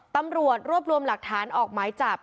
ตำรวจรวบรวมหลักฐานออกหมายจับ